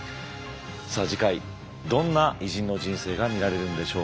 さあ次回どんな偉人の人生が見られるんでしょうか。